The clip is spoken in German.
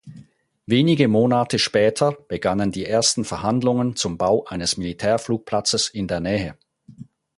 Wenige Monate später begannen die ersten Verhandlungen zum Bau eines Militärflugplatzes in der Nähe.